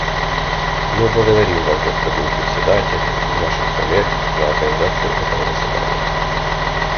Мы благодарим Вас, господин Председатель, и Ваших коллег за организацию этого заседания.